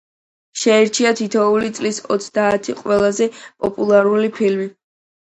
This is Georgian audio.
შეირჩა თითოეული წლის ოცდაათი ყველაზე პოპულარული ფილმი.